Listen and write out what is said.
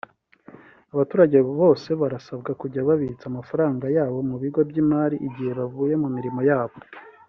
abaturage bose barasabwa kujya babitsa amafaranga yabo mu bigo by’imari igihe bavuye mu mirimo yabo